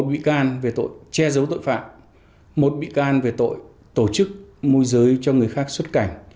một bị can về tội che giấu tội phạm một bị can về tội tổ chức môi giới cho người khác xuất cảnh